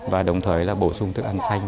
và đồng thời là bổ sung thức ăn xanh